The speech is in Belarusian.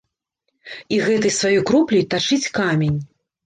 І гэтай сваёй кропляй тачыць камень.